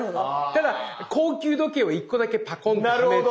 だから高級時計を１個だけパコンとはめて。